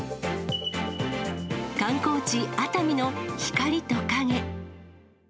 観光地、熱海の光と影。